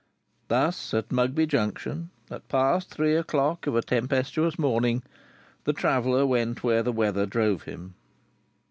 Thus, at Mugby Junction, at past three o'clock of a tempestuous morning, the traveller went where the weather drove him.